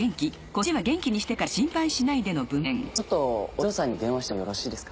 ちょっとお嬢さんに電話してもよろしいですか？